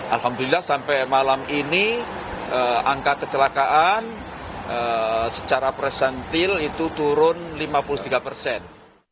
alhamdulillah sampai malam ini angka kecelakaan secara presentil itu turun lima puluh tiga persen